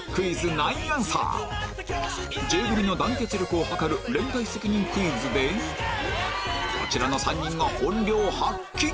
９アンサーＪ組の団結力を測る連帯責任クイズでこちらの３人が本領発揮